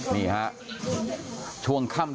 นี่ฮะ